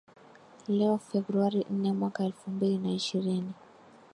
leo Februari nne mwaka elfumbili na ishirini